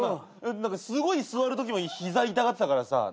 何かすごい座るときも膝痛がってたからさ。